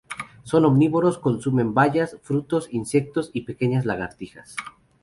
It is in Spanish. Son omnívoros, consumen bayas, frutos, insectos y pequeñas lagartijas.